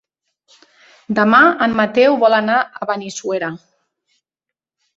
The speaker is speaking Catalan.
Demà en Mateu vol anar a Benissuera.